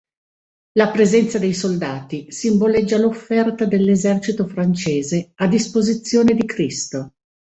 La presenza dei soldati simboleggia l'offerta dell'esercito francese a disposizione di Cristo.